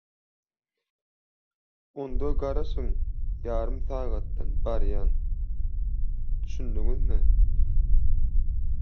– Onda garaş ýarym sagatdan barýan, okeými?